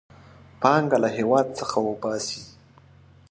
پانګه له هېواد څخه وباسي.